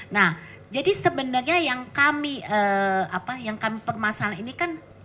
nah jadi sebenarnya yang kami apa yang kami permasalah ini kan